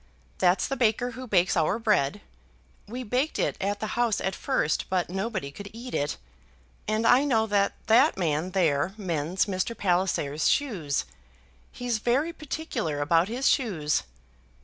That's the baker who bakes our bread, we baked it at the house at first, but nobody could eat it; and I know that that man there mends Mr. Palliser's shoes. He's very particular about his shoes.